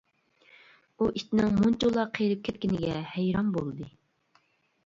ئۇ ئىتنىڭ مۇنچىۋالا قېرىپ كەتكىنىگە ھەيران بولدى.